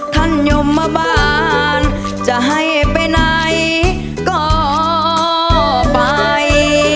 ยมมาบ้านจะให้ไปไหนก็ไป